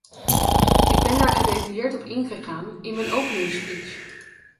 Ik ben daar gedetailleerd op in gegaan in mijn openingsspeech.